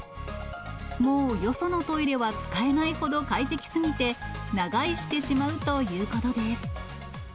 もうよそのトイレは使えないほど快適すぎて、長居してしまうということです。